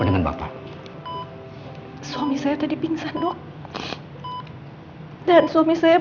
iya ya kita pulang ya